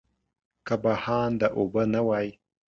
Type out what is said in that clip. که بهانده اوبه نه وای.